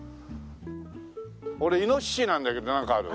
俺イノシシなんだけどなんかある？